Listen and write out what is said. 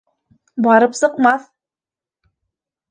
Барып сыҡмаҫ!